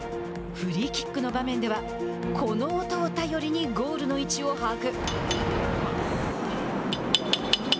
フリーキックの場面ではこの音を頼りにゴールの位置を把握。